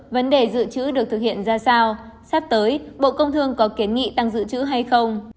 vấn đề dự trữ được thực hiện ra sao sắp tới bộ công thương có kiến nghị tăng dự trữ hay không